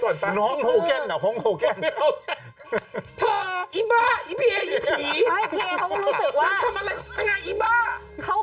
พี่แอร์เขาก็รู้สึกว่าเขาทำอะไรไอ้บ้า